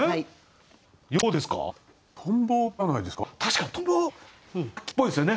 確かに「蜻蛉」秋っぽいですよね。